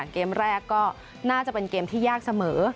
เกมแรกก็น่าจะเป็นเกมที่ยากเสมอ